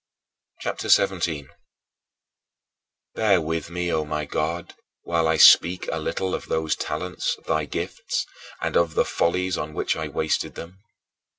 CHAPTER XVII 27. Bear with me, O my God, while I speak a little of those talents, thy gifts, and of the follies on which I wasted them.